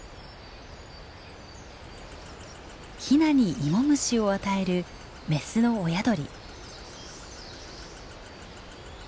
ヒナにイモムシを与えるメスの親鳥。